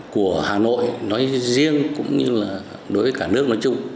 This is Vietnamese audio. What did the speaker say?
của hà nội nói riêng cũng như là đối với cả nước nói chung